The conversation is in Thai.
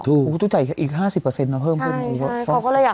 ตู้ใจอีก๕๐อะเพิ่มกว่า